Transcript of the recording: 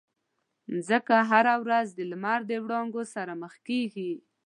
مځکه هره ورځ د لمر د وړانګو سره مخ کېږي.